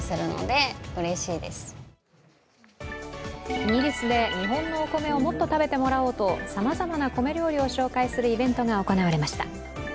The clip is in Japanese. イギリスで日本のお米をもっと食べてもらおうとさまざまな米料理を紹介するイベントが行われました。